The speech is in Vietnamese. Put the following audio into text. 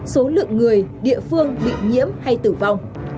số lượng người địa phương bị nhiễm hay tử vong